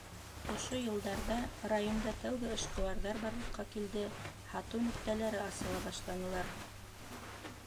Ошо йылдарҙа районда тәүге эшҡыуарҙар барлыҡҡа килде, һатыу нөктәләре аса башланылар.